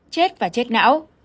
chết và chết não